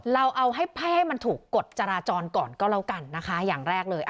เราเอาให้มันถูกกฎจราจรก่อนก็แล้วกันนะคะอย่างแรกเลย